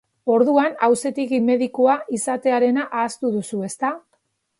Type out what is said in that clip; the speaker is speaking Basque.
Orduan, auzitegi-medikua izatearena ahaztu duzu, ezta?